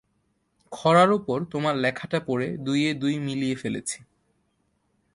ক্ষরার ওপর তোমার লেখাটা পড়ে দুইয়ে দুই মিলিয়ে ফেলেছি।